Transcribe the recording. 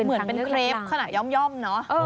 เหมือนเป็นเครปขนาดย่อมเนอะ